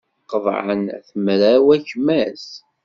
Qeḍɛen At Mraw akmaz.